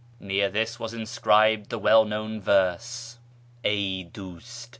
Near this was inscril)cd the well known verse —" Ey dfist !